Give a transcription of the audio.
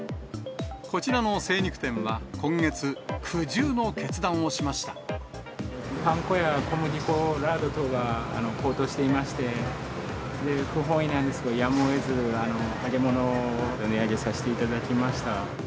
こちらの精肉店は今月、パン粉や小麦粉、ラード等が高騰していまして、不本意なんですけど、やむをえず揚げ物を値上げさせていただきました。